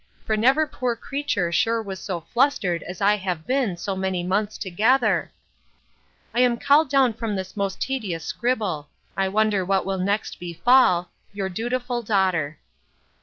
for never poor creature sure was so flustered as I have been so many months together;—I am called down from this most tedious scribble. I wonder what will next befall Your dutiful DAUGHTER.